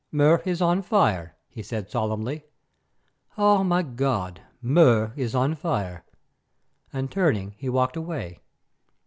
"Mur is on fire," he said solemnly. "Oh, my God, Mur is on fire!" and turning he walked away.